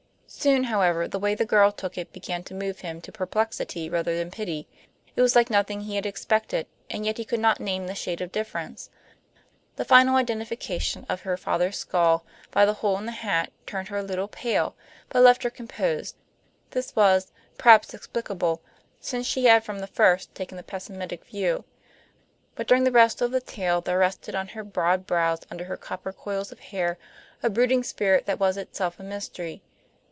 Soon, however, the way the girl took it began to move him to perplexity rather than pity. It was like nothing he had expected, and yet he could not name the shade of difference. The final identification of her father's skull, by the hole in the hat, turned her a little pale, but left her composed; this was, perhaps, explicable, since she had from the first taken the pessimistic view. But during the rest of the tale there rested on her broad brows under her copper coils of hair, a brooding spirit that was itself a mystery.